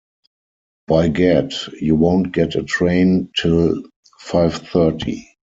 By gad, you won't get a train till five-thirty.